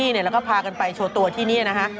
เนี่ยแล้วก็พากันไปโชว์ตัวที่เนี่ยนะฮะ